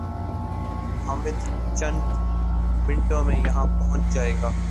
حامد چند منٹوں میں یہاں پہنچ جائے گا